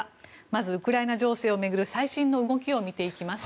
まず、ウクライナ情勢を巡る最新の動きを見ていきます。